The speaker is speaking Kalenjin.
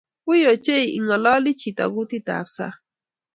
wiiy ochei ingololi chito kutitab sang